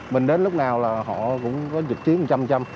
mình đến lúc nào là họ cũng có dịch chiến chăm chăm